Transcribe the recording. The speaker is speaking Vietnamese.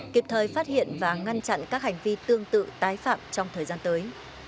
kịp thời phát hiện và ngăn chặn các hành vi tương tự tái phạm trong thời gian tới